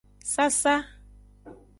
Sasa.